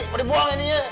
mau dibuang ini ya